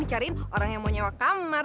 dicari orang yang mau nyewa kamar